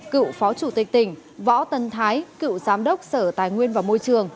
cựu phó chủ tịch tỉnh võ tân thái cựu giám đốc sở tài nguyên và môi trường